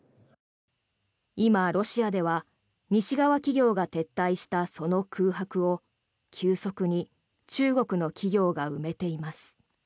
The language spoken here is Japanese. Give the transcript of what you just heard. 今、ロシアでは西側企業が撤退したその空白を急速に中国の企業が埋めています。